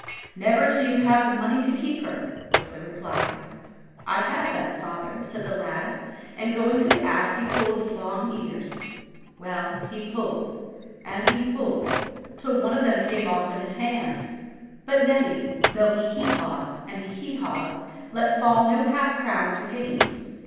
" Never till you have the money to keep her," was the reply. "I have that, father," said the lad, and going to the ass he pulled its long ears ; well, he pulled, and he pulled, till one of them came off in his hands ; but Neddy, though he hee hawed and he hee hawed let fall no half crowns or guineas.